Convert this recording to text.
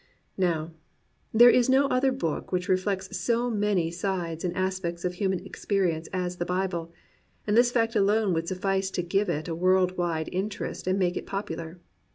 Now, there is no other book which reflects so many sides and aspects of human experience as the Bible, and this fact alone would suffice to give it a world wide in terest and make it popular.